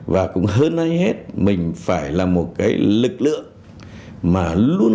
và cũng hơn hết mình phải là một lực lượng